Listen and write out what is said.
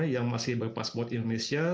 yang masih berpassport indonesia